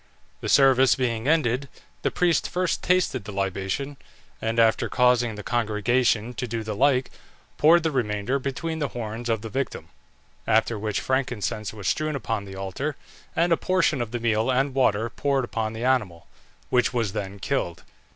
The service being ended, the priest first tasted the libation, and after causing the congregation to do the like, poured the remainder between the horns of the victim, after which frankincense was strewn upon the altar, and a portion of the meal and water poured upon the animal, which was then killed.